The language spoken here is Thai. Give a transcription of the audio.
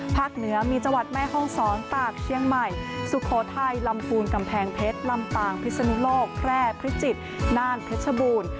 เหนือมีจังหวัดแม่ห้องศรตากเชียงใหม่สุโขทัยลำพูนกำแพงเพชรลำปางพิศนุโลกแพร่พิจิตรน่านเพชรบูรณ์